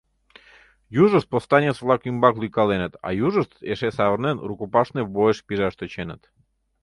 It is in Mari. Южышт повстанец-влак ӱмбак лӱйкаленыт, а южышт эше савырнен, рукопашный бойыш пижаш тӧченыт.